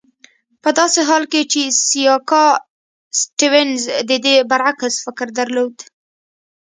په داسې حال کې چې سیاکا سټیونز د دې برعکس فکر درلود.